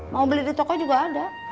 mau beli di toko juga ada